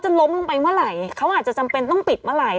ล้มลงไปเมื่อไหร่เขาอาจจะจำเป็นต้องปิดเมื่อไหร่